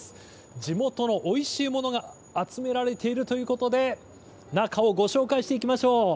地元のおいしいものが集められているということで中をご紹介していきましょう。